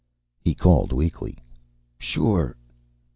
He called weakly, "Sure."